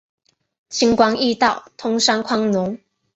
轻关易道，通商宽农